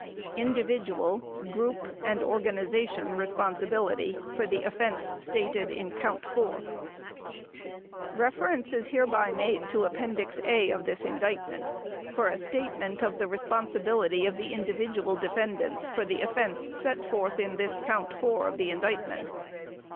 Individual, Group and Organization Responsibility for the Offense Stated in Count Four Reference is hereby made to Appendix A of this Indictment for a statement of the responsibility of the individual defendants for the offense set forth in this Count Four of the Indictment.